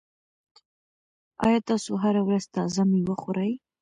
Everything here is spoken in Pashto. آیا تاسو هره ورځ تازه مېوه خورئ؟